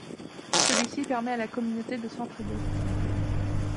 Celui-ci permet à la communauté de s'entraider.